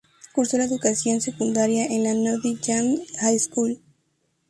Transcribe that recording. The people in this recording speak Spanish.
Cursó la educación secundaria en la Nottingham High School.